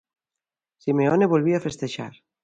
Simeone volvía festexar.